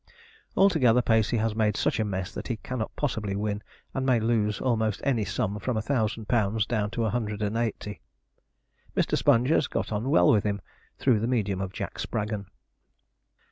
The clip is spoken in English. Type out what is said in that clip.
Altogether, Pacey has made such a mess that he cannot possibly win, and may lose almost any sum from a thousand pounds down to a hundred and eighty. Mr. Sponge has got well on with him, through the medium of Jack Spraggon.